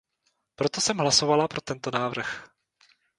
Proto jsem hlasovala pro tento návrh.